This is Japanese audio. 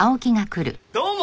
どうも！